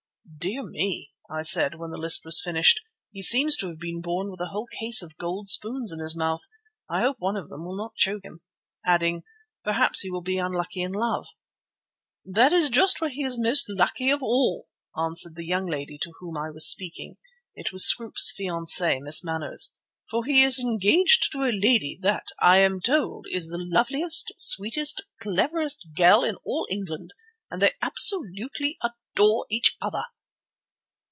"Dear me!" I said when the list was finished, "he seems to have been born with a whole case of gold spoons in his mouth. I hope one of them will not choke him," adding: "Perhaps he will be unlucky in love." "That's just where he is most lucky of all," answered the young lady to whom I was talking—it was Scroope's fiancée, Miss Manners—"for he is engaged to a lady that, I am told, is the loveliest, sweetest, cleverest girl in all England, and they absolutely adore each other."